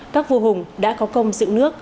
các vua hùng đã có công dựng nước